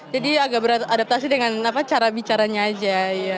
jadi agak beradaptasi dengan cara bicaranya aja